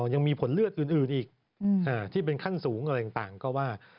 ยังมีผลเลือดอื่นอีกที่เป็นขั้นสูงอะไรต่างก็ว่า